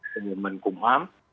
penduduk hukum ham